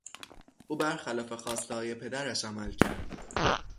او برخلاف خواستههای پدرش عمل کرد.